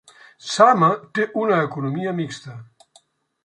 Zama té una economia mixta.